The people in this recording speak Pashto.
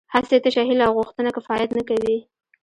هسې تشه هیله او غوښتنه کفایت نه کوي